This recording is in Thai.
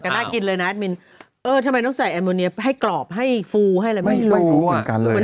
น่ากินเลยนะแอดมินเออทำไมต้องใส่อัมโมเนียให้กรอบให้ฟูให้อะไร